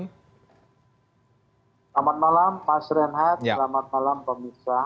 selamat malam pak srenhat selamat malam pak misa